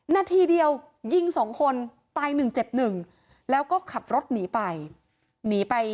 นาทีเดียวยิงสองคนตายหนึ่งเจ็บหนึ่งแล้วก็ขับรถหนีไปหนีไป